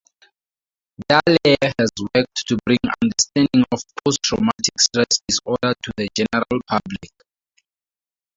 Dallaire has worked to bring understanding of post-traumatic stress disorder to the general public.